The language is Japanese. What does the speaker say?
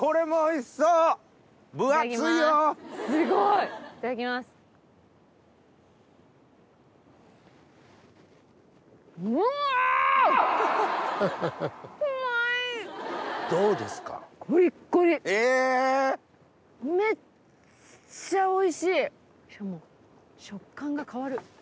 しかも食感が変わる。